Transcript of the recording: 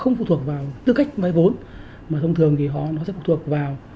không phụ thuộc vào tư cách vay vốn mà thông thường thì họ nó sẽ phụ thuộc vào